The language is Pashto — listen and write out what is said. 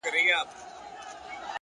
صادق زړه د وجدان ارامي لري.